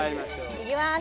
いきます。